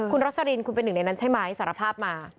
คุณรสลินคุณเป็นหนึ่งในนั้นใช่ไหมสารภาพมา